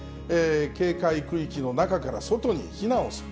警戒区域の中から外に避難をする。